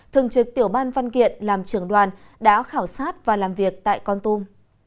thường trực tiểu ban văn kiện làm trưởng đoàn đã khảo sát và làm việc tại con tum